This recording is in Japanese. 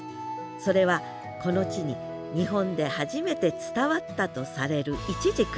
それはこの地に日本で初めて伝わったとされるイチジク。